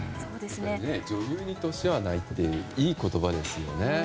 女優に年はないっていい言葉ですよね。